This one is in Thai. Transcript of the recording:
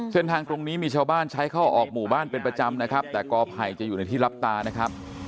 เส้นทางตรงนี้มีชาวบ้านใช้เข้าออกหมู่บ้านเป็นประจำนะครับแต่กอไผ่จะอยู่ในที่รับตานะครับ